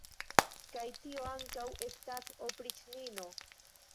Kaj tio ankaŭ estas opriĉnino!